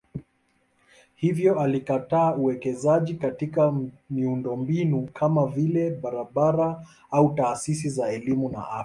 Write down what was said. Hivyo alikataa uwekezaji katika miundombinu kama vile barabara au taasisi za elimu na afya.